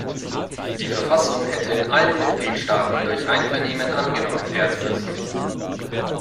Die Verfassung hätte in allen Mitgliedstaaten durch Einvernehmen angenommen werden müssen.